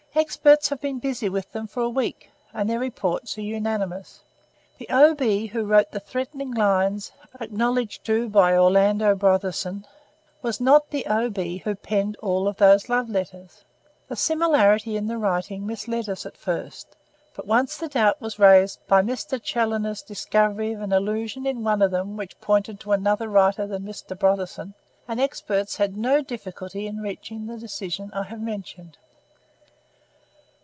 Experts have been busy with them for a week, and their reports are unanimous. The O. B. who wrote the threatening lines acknowledged to by Orlando Brotherson, was not the O. B. who penned all of those love letters. The similarity in the writing misled us at first, but once the doubt was raised by Mr. Challoner's discovery of an allusion in one of them which pointed to another writer than Mr. Brotherson, and experts had no difficulty in reaching the decision I have mentioned."